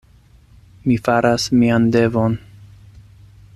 Mi faras mian devon.